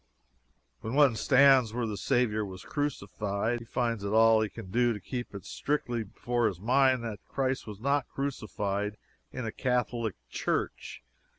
When one stands where the Saviour was crucified, he finds it all he can do to keep it strictly before his mind that Christ was not crucified in a Catholic Church.